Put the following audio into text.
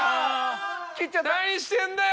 ・何してんだよ